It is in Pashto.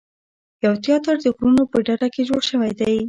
یو تیاتر د غرونو په ډډه کې جوړ شوی دی.